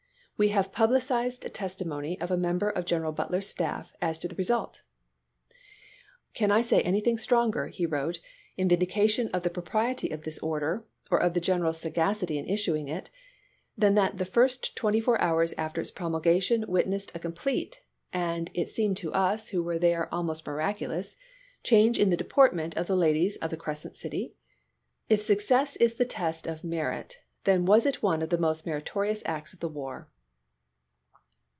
We have the published testimony of a member of General Butler's staff as to the result. " Can I say anything stronger," he wrote, " in vin dication of the propriety of this order, or of the general's sagacity in issuing it, than that the first twenty four hours after its promulgation witnessed a complete, and it seemed to us who were there almost miraculous, change in the deportment of the ladies of the Crescent City ? If success is the test of merit, then was it one of the most meritori ous acts of the war."